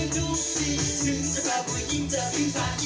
ลีลากันกัน